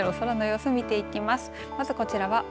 各地の空の様子を見ていきます。